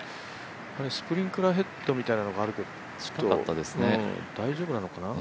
スプリンクラーヘッドみたいなのがあるけど大丈夫なのかな？